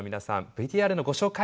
ＶＴＲのご紹介